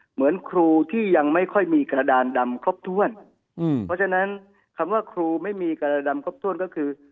เหมือนครูที่ยังไม่ค่อยมีกระดานดำครบถ้วนเพราะฉะนั้นคำว่าครูไม่มีการดำครบถ้วนก็คือ